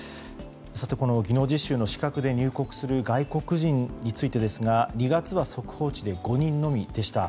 この技能実習の資格で入国する外国人について２月は速報値で５人のみでした。